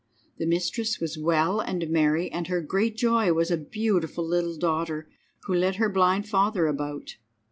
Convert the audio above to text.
The mistress was well and merry, and her great joy was a beautiful little daughter who led her blind father about.